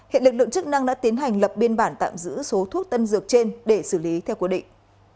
hiện lực lượng chức năng đã tiến hành lập biên bản tạm giữ số thuốc tân dược trên để xử lý theo quy định